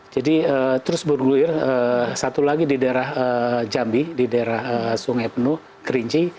jadi terus bergulir satu lagi di daerah jambi di daerah sungai penuh kerinci